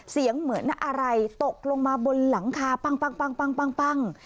เสียงเหมือนอะไรตกลงมาบนหลังคาปั้ง